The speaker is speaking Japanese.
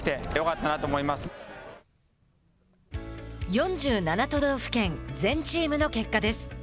４７都道府県全チームの結果です。